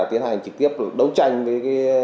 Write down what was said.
tiến hành trực tiếp đấu tranh với